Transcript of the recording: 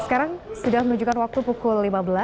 sekarang sudah menunjukkan waktu pukul lima belas